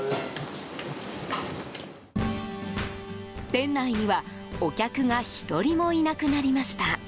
店内にはお客が１人もいなくなりました。